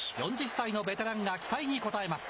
４０歳のベテランが期待に応えます。